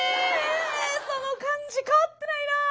その感じ変わってないなあ！